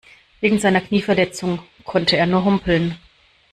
Wegen seiner Knieverletzung konnte er nur humpeln.